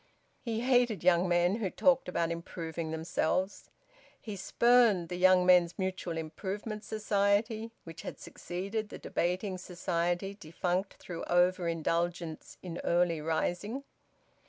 He hated young men who talked about improving themselves. He spurned the Young Men's Mutual Improvement Society (which had succeeded the Debating Society defunct through over indulgence in early rising).